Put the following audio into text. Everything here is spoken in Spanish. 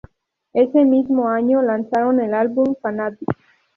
Ese mismo año lanzaron el álbum "Fanatic".